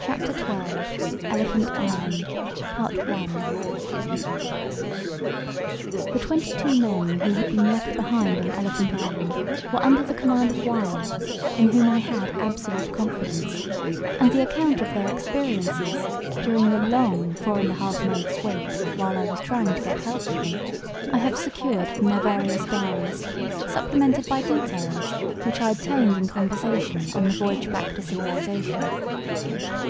CHAPTER XII ELEPHANT ISLAND The twenty two men who had been left behind on Elephant Island were under the command of Wild, in whom I had absolute confidence, and the account of their experiences during the long four and a half months' wait while I was trying to get help to them, I have secured from their various diaries, supplemented by details which I obtained in conversation on the voyage back to civilization.